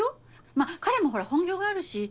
まあ彼もほら本業があるしうん